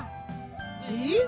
えっ！？